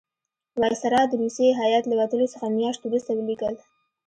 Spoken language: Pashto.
وایسرا د روسی هیات له وتلو څه میاشت وروسته ولیکل.